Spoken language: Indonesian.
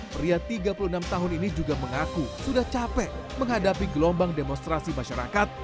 pria tiga puluh enam tahun ini juga mengaku sudah capek menghadapi gelombang demonstrasi masyarakat